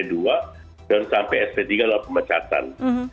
dan sampai sp tiga adalah pemecatan